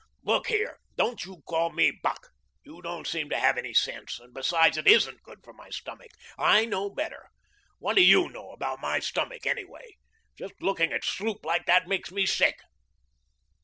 "Look here, don't you call me Buck. You don't seem to have any sense, and, besides, it ISN'T good for my stomach. I know better. What do YOU know about my stomach, anyhow? Just looking at sloop like that makes me sick."